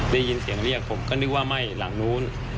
ได้ยินเสียงเรียกผมก็นึกว่าไหม้หลังนู้น